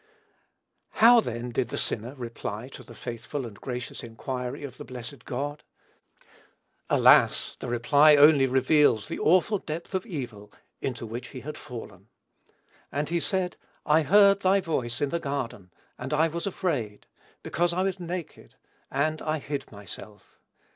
How, then, did the sinner reply to the faithful and gracious inquiry of the Blessed God? Alas! the reply only reveals the awful depth of evil into which he had fallen. "And he said, I heard thy voice in the garden, and I was afraid, because I was naked; and I hid myself.